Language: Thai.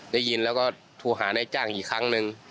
ได้ยินแล้วก็โทรหานายจ้างอีกครั้งหนึ่ง